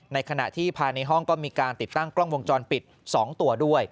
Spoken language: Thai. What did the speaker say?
ในขณะที่ภายในห้องก็มีการติดตั้งกล้องวงจรปิด๒ตัวด้วย